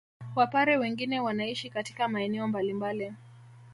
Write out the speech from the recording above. Wapare wengine wanaishi katika maeneo mbalimbali